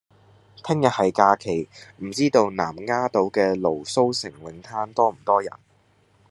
聽日係假期，唔知道南丫島嘅蘆鬚城泳灘多唔多人？